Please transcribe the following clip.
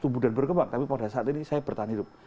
tumbuh dan berkembang tapi pada saat ini saya bertahan hidup